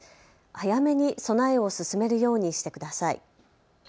早めに備えを進めるようにしてください。